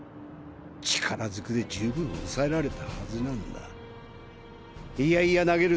力づくで十分抑えられたはずなんだ嫌々投げる